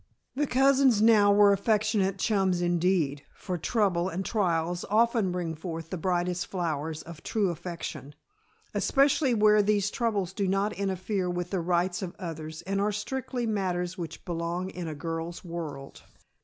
The cousins now were affectionate chums indeed, for trouble and trials often bring forth the brightest flowers of true affection, especially where these troubles do not interfere with the rights of others and are strictly matters which belong in a girl's world.